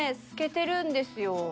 透けてるんですよ。